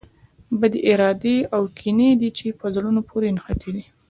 بدې ارادې او کینې دي چې په زړونو پورې نښتي دي.